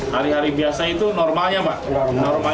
hari hari biasa itu normalnya mbak